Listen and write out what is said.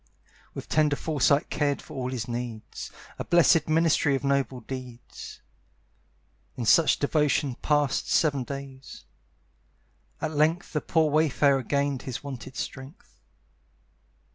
With tender foresight cared for all his needs, A blessed ministry of noble deeds. In such devotion passed seven days. At length The poor wayfarer gained his wonted strength.